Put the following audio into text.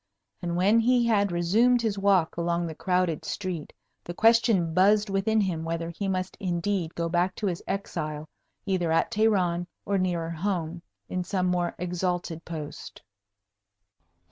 And when he had resumed his walk along the crowded street, the question buzzed within him, whether he must indeed go back to his exile, either at Teheran, or nearer home, in some more exalted post?